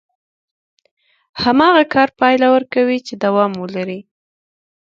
هماغه کار پايله ورکوي چې دوام ولري.